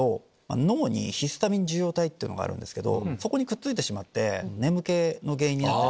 脳にヒスタミン受容体があるんですけどそこにくっついてしまって眠気の原因になったり。